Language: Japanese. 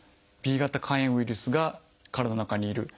Ｂ型肝炎ウイルスが体の中にいる。